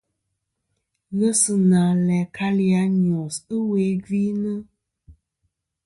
Ghesina læ kalì a Nyos ɨwe gvi nɨ̀.